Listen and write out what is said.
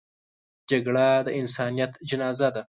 جګړه د انسانیت جنازه ده